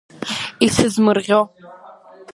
Исызмырӷьо.